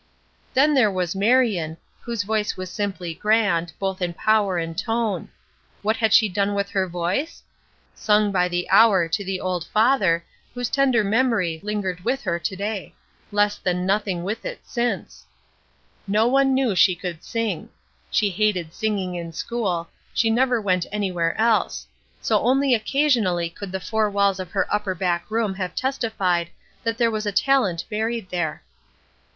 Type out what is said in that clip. Then there was Marion, whose voice was simply grand, both in power and tone. What had she done with her voice? Sung by the hour to the old father whose tender memory lingered with her to day; less than nothing with it since; no one knew she could sing; she hated singing in school, she never went anywhere else; so only occasionally could the four walls of her upper back room have testified that there was a talent buried there.